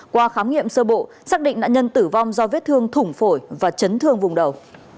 qua khám nghiệm sơ bộ xác định nạn nhân tử vong do vết thương thủng phổi và chấn thương vùng đầu